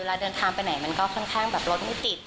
เวลาเดินทางไปไหนมันก็ทั้งแบบรถไม่ติด